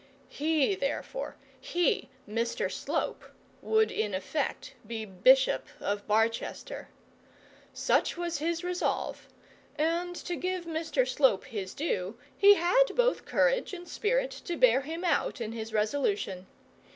He, therefore, he, Mr Slope, would in effect be bishop of Barchester. Such was his resolve; and to give Mr Slope his due, he had both courage and spirit to bear him out in his resolution.